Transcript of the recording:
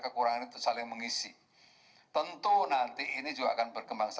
kekurangan ini pak muldoko perlu diperbaiki ini oke saya akan terima ya